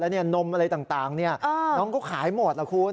และนมอะไรต่างนี่น้องก็ขายหมดแล้วคุณ